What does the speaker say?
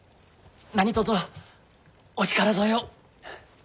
何とぞお力添えを。